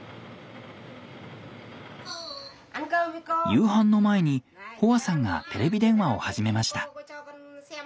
夕飯の前にホアさんがテレビ電話を始めました。